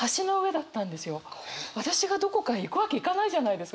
私がどこかへ行くわけいかないじゃないですか。